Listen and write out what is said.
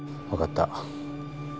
分かった。